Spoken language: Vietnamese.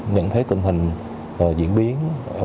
nhận thấy tình hình diễn biến